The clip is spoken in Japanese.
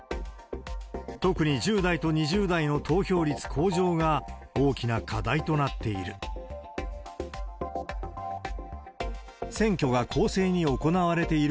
特に１０代と２０代の投票率向上が大きな課題となっている。